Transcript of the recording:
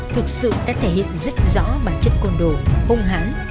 thực sự đã thể hiện rất rõ bản chất côn đồ hung hán